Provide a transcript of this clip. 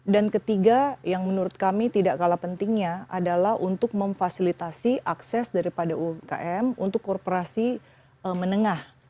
dan ketiga yang menurut kami tidak kalah pentingnya adalah untuk memfasilitasi akses dari umkm untuk korporasi menengah